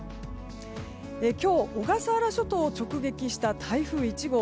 今日、小笠原諸島を直撃した台風１号。